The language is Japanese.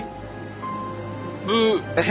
ブー。